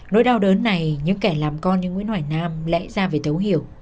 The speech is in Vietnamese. nỗi đau đớn này những kẻ làm con như nguyễn hoài nam lẽ ra về thấu hiểu